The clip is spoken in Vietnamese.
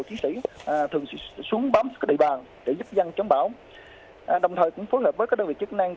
chiến sĩ thường xuống bám địa bàn để giúp dân chống bão đồng thời cũng phối hợp với các đơn vị chức năng